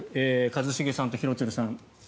一茂さんと廣津留さん。